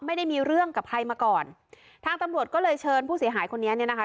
ไม่ได้มีเรื่องกับใครมาก่อนทางตำรวจก็เลยเชิญผู้เสียหายคนนี้เนี่ยนะคะ